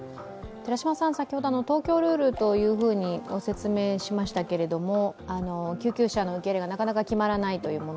先ほど東京ルールとご説明しましたが、救急車の受け入れがなかなか決まらないというもの。